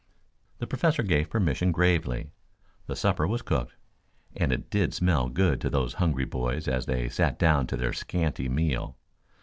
The Professor gave permission gravely. The supper was cooked, and it did smell good to those hungry boys as they sat down to their scanty meal.